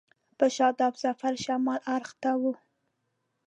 په شاداب ظفر شمال اړخ ته و.